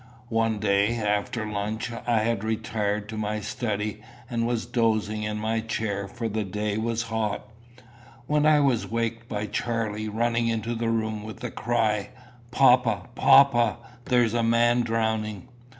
One day, after lunch, I had retired to my study, and was dozing in my chair, for the day was hot, when I was waked by Charlie rushing into the room with the cry, "Papa, papa, there's a man drowning."